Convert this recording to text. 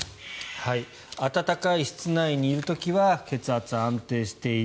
暖かい室内にいる時は血圧安定している。